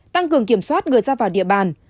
tăng cường kiểm soát người ra vào địa bàn